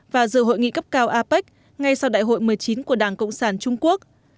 và dự hội nghị cấp cao apec ngay sau đại hội một mươi chín của đảng cộng sản trung quốc